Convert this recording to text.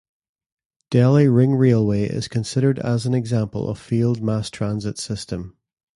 Delhi Ring Railway is considered as an example of failed mass transit system.